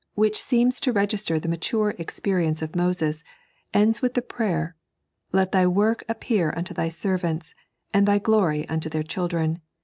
which seems to register the mature experience of Moses, ends with the prayer :Let Thy work appear unto Thy servants, and Thy gloty unto their children.